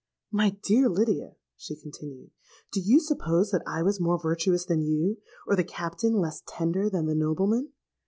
—'My dear Lydia,' she continued, 'do you suppose that I was more virtuous than you, or the captain less tender than the nobleman?